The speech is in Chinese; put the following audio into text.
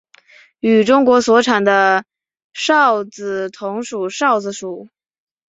与中国所产的韶子同属韶子属。